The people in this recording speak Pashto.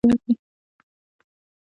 ما د بوټو اړوند جملې هم سیستم ته ورکړې.